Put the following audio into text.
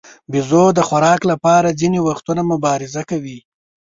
بیزو د خوراک لپاره ځینې وختونه مبارزه کوي.